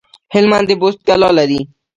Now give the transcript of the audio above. هلمند د بست کلا لري